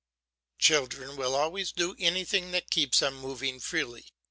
Children will always do anything that keeps them moving freely.